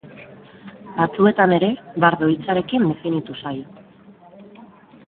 Batzuetan ere bardo hitzarekin definitu zaio.